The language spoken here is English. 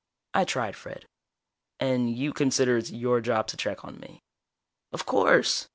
I tried Fred: "And you consider it's your job to check on me?" "Of course.